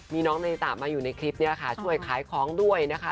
มีน้องในตะมาอยู่ในคลิปนี้ค่ะช่วยขายของด้วยนะคะ